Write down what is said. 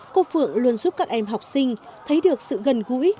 cô phượng luôn giúp các em học sinh thấy được sự gần gũi